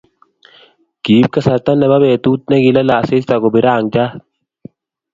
kiip kasarta nepo petut nekilalei asista kopir rangchat